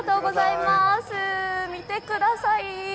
見てください。